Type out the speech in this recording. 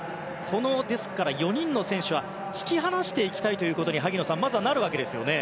この４人の選手は引き離していきたいということにまずはなるわけですよね。